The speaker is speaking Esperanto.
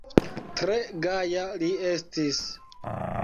Tre gaja li estis.